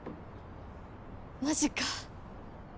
マジか。